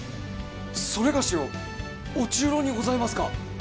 それがしを御中臈にございますか！？